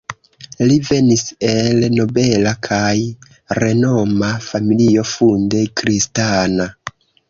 Li venis el nobela kaj renoma familio funde kristana.